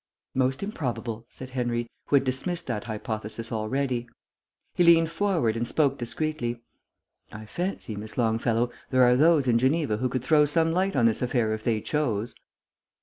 "Most improbable," said Henry, who had dismissed that hypothesis already. He leant forward and spoke discreetly. "I fancy, Miss Longfellow, there are those in Geneva who could throw some light on this affair if they chose."